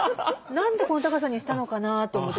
何でこの高さにしたのかなと思って。